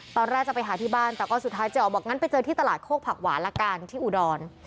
ตอนแรกจะไปหาที่บ้านแต่ก็สุดท้ายเจ๊อ๋อบอกงั้นไปเจอที่ตลาดโคกผักหวานละกันที่อุดร